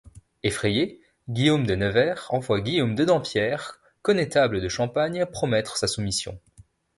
Effrayé, Guillaume de Nevers, envoie Guillaume de Dampierre, connétable de Champagne, promettre sa soumission.